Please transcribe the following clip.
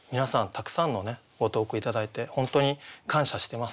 たくさんのご投句頂いて本当に感謝してます。